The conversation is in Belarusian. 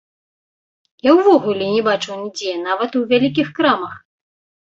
Я ўвогуле не бачыў нідзе, нават ў вялікіх крамах!